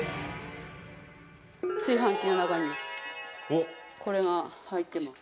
炊飯器の中にこれが入ってます。